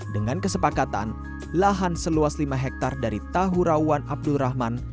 dengan kesepakatan lahan seluas lima hektar dari tahu rawan abdul rahman